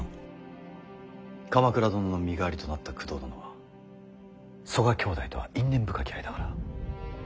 鎌倉殿の身代わりとなった工藤殿は曽我兄弟とは因縁深き間柄。